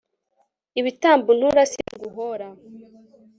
ibitambo untura, si byo nguhora